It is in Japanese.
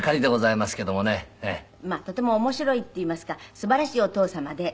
まあとても面白いっていいますかすばらしいお父様で。